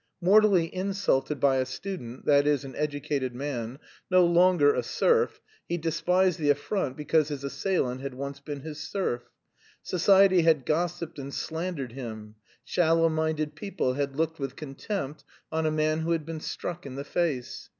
Mortally insulted by a student, that is, an educated man, no longer a serf, he despised the affront because his assailant had once been his serf. Society had gossiped and slandered him; shallow minded people had looked with contempt on a man who had been struck in the face.